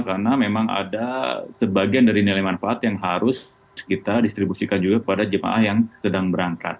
karena memang ada sebagian dari nilai manfaat yang harus kita distribusikan juga kepada jemaah yang sedang berangkat